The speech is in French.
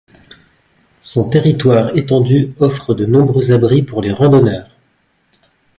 Son territoire étendu offre de nombreux abris pour les randonneurs.